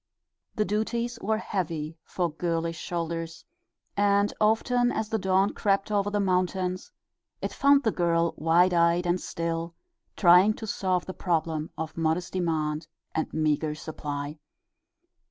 The duties were heavy for girlish shoulders, and often as the dawn crept over the mountains it found the girl wide eyed and still, trying to solve the problem of modest demand and meager supply.